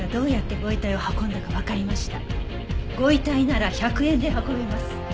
ご遺体なら１００円で運べます。